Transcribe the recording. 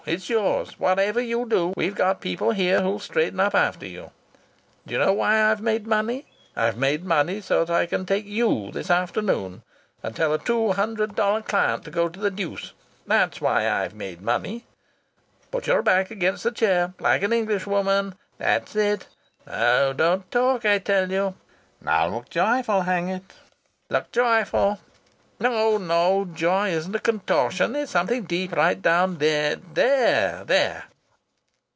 It's yours. Whatever you do, we've got people here who'll straighten up after you.... D'you know why I've made money? I've made money so that I can take you this afternoon, and tell a two hundred dollar client to go to the deuce. That's why I've made money. Put your back against the chair, like an Englishwoman. That's it. No, don't talk, I tell you. Now look joyful, hang it! Look joyful.... No, no! Joy isn't a contortion. It's something right deep down. There, there!"